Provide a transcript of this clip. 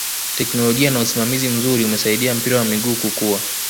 teknolojia na usimamizi mzuri umesaidia mpira wa miguu kukua